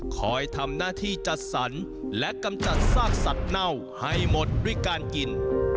คอยทำหน้าที่จัดสรรและกำจัดซากสัตว์เน่าให้หมดด้วยการกิน